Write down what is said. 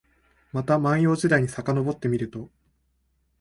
また万葉時代にさかのぼってみると、